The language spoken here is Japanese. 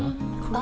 あ！